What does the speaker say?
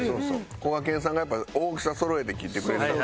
こがけんさんが大きさそろえて切ってくれてたから。